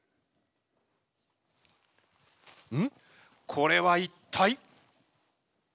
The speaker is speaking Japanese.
これは一体？